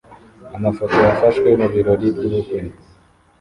Amafoto yafashwe mubirori byubukwe